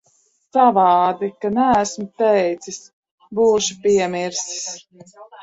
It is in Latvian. Savādi, ka neesmu teicis. Būšu piemirsis.